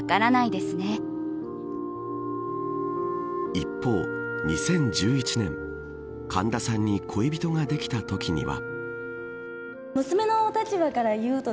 一方、２０１１年神田さんに恋人ができたときには。